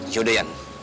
ya udah ian